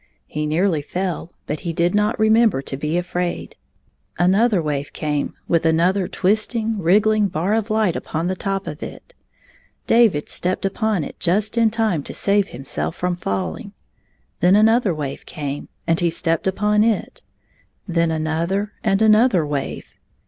He nearly fell, but he did not remember to be afraid. An other wave came with another twisting, wriggling bar of light upon the top of it David stepped upon it just in time to save himself from falling. Then another wave came, and he stepped upon it; then another and another wave.